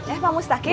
eh pak mustaqim